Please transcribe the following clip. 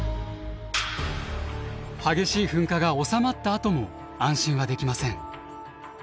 激しい噴火が収まったあとも安心はできません。